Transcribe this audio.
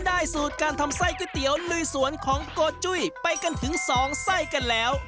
สูตรการทำไส้ก๋วยเตี๋ยวลุยสวนของโกจุ้ยไปกันถึงสองไส้กันแล้ว